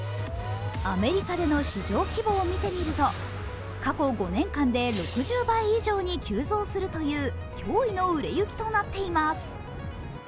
アメリカでの市場規模を見てみると過去５年間で６０倍以上に急増するという驚異の売れ行きとなっています。